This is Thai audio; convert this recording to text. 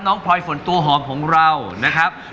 พลอยฝนตัวหอมของเรานะครับ